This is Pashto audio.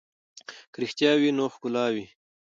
که رښتیا وي نو ښکلا وي.